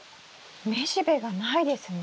雌しべがないですね。